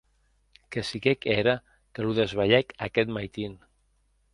Que siguec era que lo desvelhèc aqueth maitin.